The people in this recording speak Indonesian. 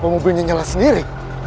kenapa mobilnya nyala sendiri